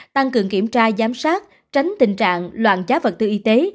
tăng cường kiểm tra giám sát tránh tình trạng loạn trá vật tư y tế